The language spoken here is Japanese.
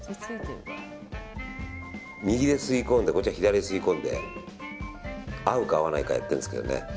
右で吸い込んで左で吸い込んで合うか合わないかやってるんですけどね。